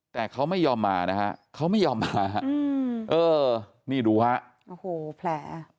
แต่เขาไม่ยอมมานะฮะเขาไม่ยอมมาฮะเออนี่ดูฮะโอ้โหแผล